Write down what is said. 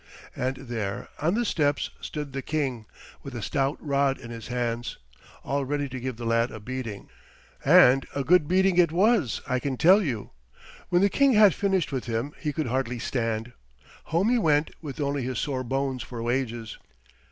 And there on the steps stood the King with a stout rod in his hands, all ready to give the lad a beating. And a good beating it was, I can tell you. When the King had finished with him he could hardly stand. Home he went with only his sore bones for wages.